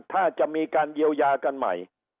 ถ้าจะมีการเยียวยากันใหม่